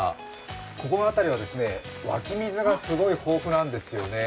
ここの辺りは湧き水がすごい豊富なんですよね。